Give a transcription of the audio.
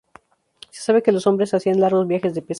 Se sabe que los hombres hacían largos viajes de pesca.